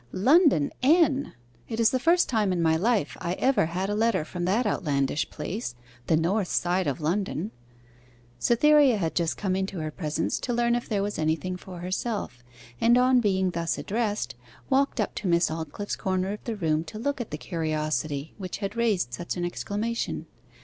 '"London, N.!" It is the first time in my life I ever had a letter from that outlandish place, the North side of London.' Cytherea had just come into her presence to learn if there was anything for herself; and on being thus addressed, walked up to Miss Aldclyffe's corner of the room to look at the curiosity which had raised such an exclamation.